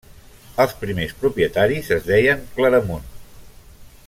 Els primers propietaris es deien Claramunt.